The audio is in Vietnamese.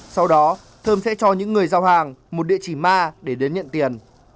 sau đó thơm sẽ cho những người giao hàng một địa chỉ ma để đến nhận tiền